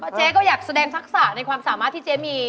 เจ๊ก็อยากแสดงทักษะในความสามารถที่เจ๊มี